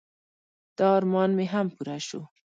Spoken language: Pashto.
د ارمان مې هم پوره شو.